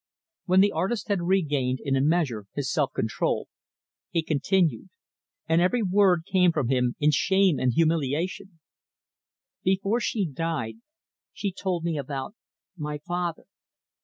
When the artist had regained, in a measure, his self control, he continued, and every word came from him in shame and humiliation, "Before she died, she told me about my father.